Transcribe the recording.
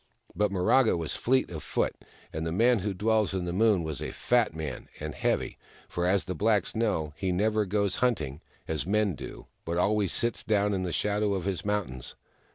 But Miraga was fleet of foot ; and the Man Who Dwells In The Moon was a fat man, and heavy : for, as the blacks know, he never goes hunting, as men do, but always sits down in the shadow of his mountains.